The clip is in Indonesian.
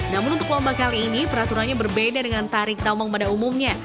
namun untuk lomba kali ini peraturannya berbeda dengan tarik tambang pada umumnya